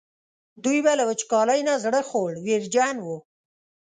دوی به له وچکالۍ نه زړه خوړ ویرجن وو.